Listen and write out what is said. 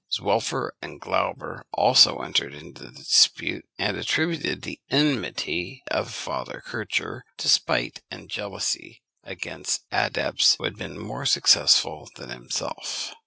Zwelfer and Glauber also entered into the dispute, and attributed the enmity of Father Kircher to spite and jealousy against adepts who had been more successful than himself.